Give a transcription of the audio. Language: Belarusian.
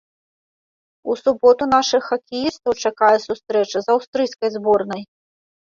У суботу нашых хакеістаў чакае сустрэча з аўстрыйскай зборнай.